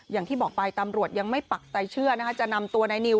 อย่างที่บอกไปตำรวจยังไม่ปักใจเชื่อนะคะจะนำตัวนายนิว